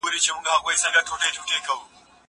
زه له سهاره موبایل کاروم!!